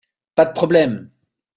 Pas de problème !